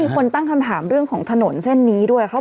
คนตั้งคำถามเรื่องของถนนเส้นนี้ด้วย